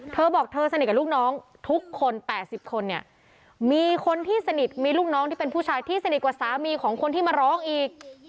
เธอบอกเธอสนิทกับลูกน้องทุกคน๘๐คนเนี่ยมีคนที่สนิทมีลูกน้องที่เป็นผู้ชายที่สนิทกว่าสามีของคนที่มาร้องอีก